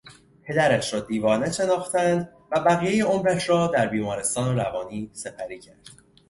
پدرش را دیوانه شناختند و بقیهی عمرش را در بیمارستان روانی سپری کرد.